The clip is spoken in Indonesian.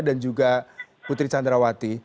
dan juga putri candrawati